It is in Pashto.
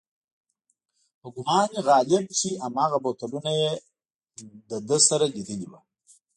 په ګومان غالب چې هماغه بوتلونه یې له ده سره لیدلي و.